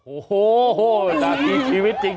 โอ้โหนาทีชีวิตจริง